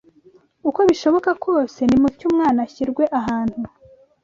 Uko bishoboka kose, nimutyo umwana ashyirwe ahantu